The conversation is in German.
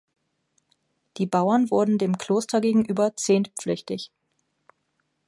Die Bauern wurden dem Kloster gegenüber zehntpflichtig.